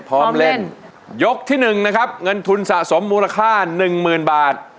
ร้องได้๑นะครับเงินทุนสะสมมูลค่า๑หมื่นบาท